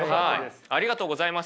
ありがとうございます。